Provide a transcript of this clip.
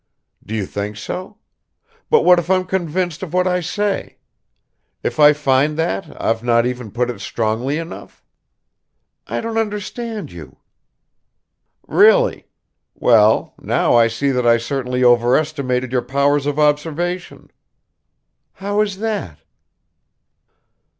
"Do you think so? But what if I'm convinced of what I say? If I find that I've not even put it strongly enough?" "I don't understand you." "Really? Well, now I see that I certainly overestimated your powers of observation." "How is that?"